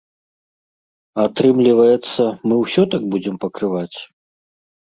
Атрымліваецца, мы ўсё так будзем пакрываць?